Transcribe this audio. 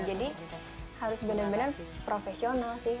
jadi harus benar benar profesional sih